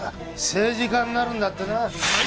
政治家になるんだってな。